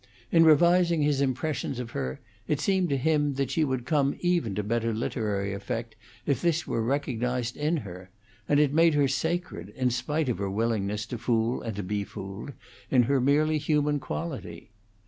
In revising his impressions of her, it seemed to him that she would come even to better literary effect if this were recognized in her; and it made her sacred, in spite of her willingness to fool and to be fooled, in her merely human quality.